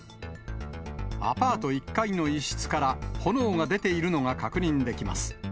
アパート１階の一室から炎が出ているのが確認できます。